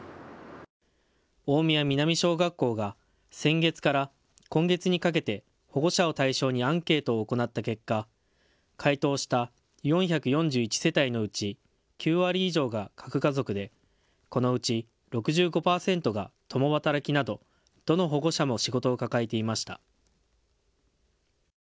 大宮南小学校が先月から今月にかけて保護者を対象にアンケートを行った結果、回答した４４１世帯のうち９割以上が核家族でこのうち６５％が共働きなどどの保護者も仕事を抱えていました。